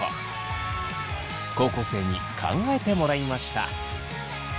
高校生に考えてもらいました。